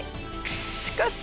しかし。